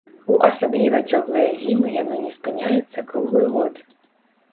У асабліва цёплыя зімы яно не спыняецца круглы год.